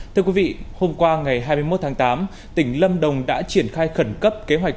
thưa quý vị hôm qua ngày hai mươi một tháng tám tỉnh lâm đồng đã triển khai khẩn cấp kế hoạch